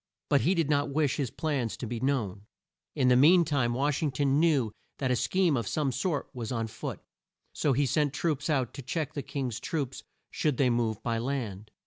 But he did not wish his plans to be known. In the mean time, Wash ing ton knew that a scheme of some sort was on foot so he sent troops out to check the King's troops should they move by land.